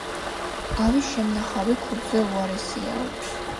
ავი შემნახავი ქურდზე უარესიაო